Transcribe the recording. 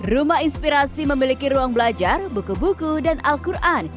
rumah inspirasi memiliki ruang belajar buku buku dan al quran